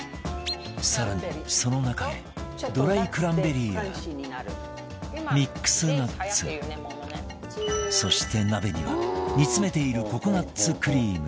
さらにその中へドライクランベリーやミックスナッツそして鍋には煮詰めているココナッツクリーム